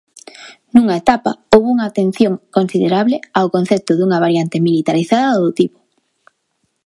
Nunha etapa houbo unha atención considerable ao concepto dunha variante militarizada do tipo.